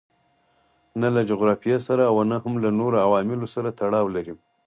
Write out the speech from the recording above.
نه له جغرافیې سره او نه هم له نورو عواملو سره تړاو لري.